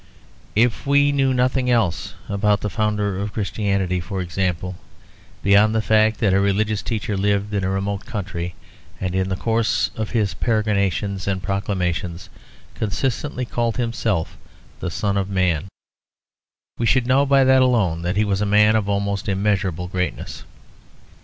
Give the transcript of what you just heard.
If we knew nothing else about the Founder of Christianity, for example, beyond the fact that a religious teacher lived in a remote country, and in the course of his peregrinations and proclamations consistently called Himself "the Son of Man," we should know by that alone that he was a man of almost immeasurable greatness.